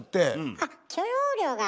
あ許容量が。